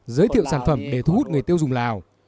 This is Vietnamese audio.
giới thiệu sản phẩm để thu hút người tiêu dùng lào